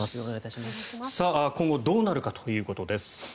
今後どうなるかということです。